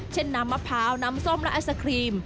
น้ำมะพร้าวน้ำส้มและไอศครีม